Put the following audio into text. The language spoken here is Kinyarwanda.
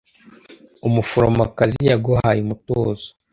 Umuforomokazi yaguhaye umutuzo.